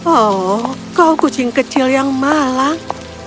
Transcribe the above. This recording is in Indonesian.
oh kau kucing kecil yang malang